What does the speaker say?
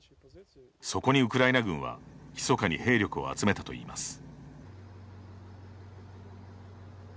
そこにウクライナ軍はひそかに兵力を集めたといいます。